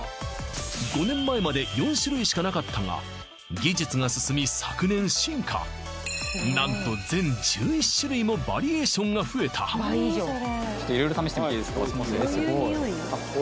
５年前まで４種類しかなかったが技術が進み昨年進化何と全１１種類もバリエーションが増えたちょっと色々試してみていいですか？